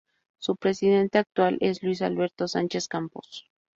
Su presidente actual es Luis Alberto Sánchez Campos.